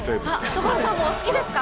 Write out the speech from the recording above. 所さんもお好きですか？